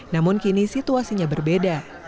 namun kini situasinya berbeda